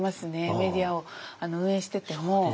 メディアを運営してても。